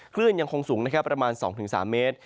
คลื่นยังคงสูงนะครับประมาณ๒๓เมตร